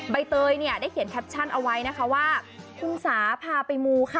ใบเตยเนี้ยได้เขียนแคปชั่นเอาไว้นะคะว่า